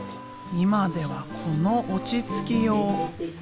今ではこの落ち着きよう。